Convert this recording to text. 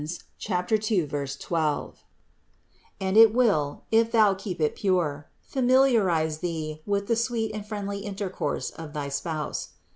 2, 12), and it will, if thou keep it pure, familiarize thee with the sweet and friendly intercourse of thy Spouse.